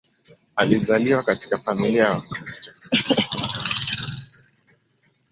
Alizaliwa katika familia ya Wakristo Wakopti mjini Kairo.